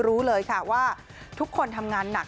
รู้เลยค่ะว่าทุกคนทำงานหนัก